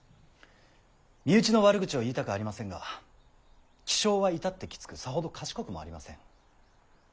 身内の悪口は言いたくありませんが気性は至ってきつくさほど賢くもありません。